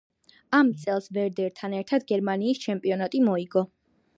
ამავე წელს „ვერდერთან“ ერთად გერმანიის ჩემპიონატი მოიგო.